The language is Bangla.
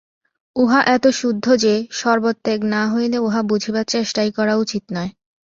উহা এত শুদ্ধ যে, সর্বত্যাগ না হইলে উহা বুঝিবার চেষ্টাই করা উচিত নয়।